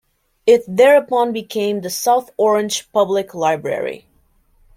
It thereupon became The South Orange Public Library.